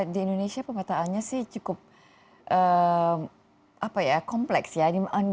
di indonesia pemetaannya sih cukup kompleks ya